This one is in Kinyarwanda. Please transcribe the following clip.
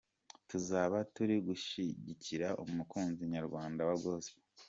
Tuzaba turi gushyigikira umuziki nyarwanda wa Gospel.